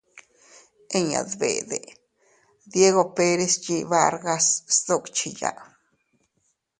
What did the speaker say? Inña dbede, Diego Pérez yiʼi Vargas sduckhiya.